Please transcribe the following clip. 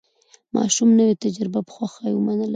ماشوم نوې تجربه په خوښۍ ومنله